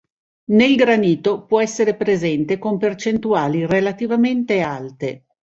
Nel granito può essere presente con percentuali relativamente alte.